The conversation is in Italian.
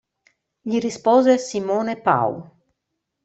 Gli rispose Simone Pau.